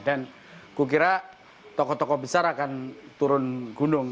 dan kukira tokoh tokoh besar akan turun gunung ke jawa tengah